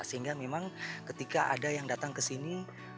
sehingga memang ketika ada yang datang ke sini